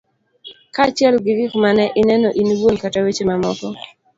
kaachiel gi gik ma ne ineno in iwuon kata weche mamoko